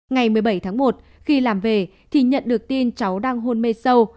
ngày một mươi bảy tháng một khi làm về thì nhận được tin cháu đang hôn mê sâu